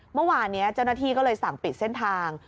เมื่อวานนี้เจ้าหน้าที่ก็เลยสั่งปิดเส้นทาง